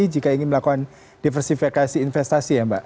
jika ingin melakukan diversifikasi investasi ya mbak